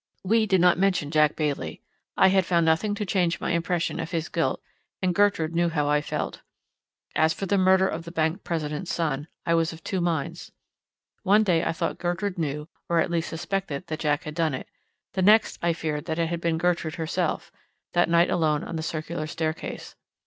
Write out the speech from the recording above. We did not mention Jack Bailey: I had found nothing to change my impression of his guilt, and Gertrude knew how I felt. As for the murder of the bank president's son, I was of two minds. One day I thought Gertrude knew or at least suspected that Jack had done it; the next I feared that it had been Gertrude herself, that night alone on the circular staircase.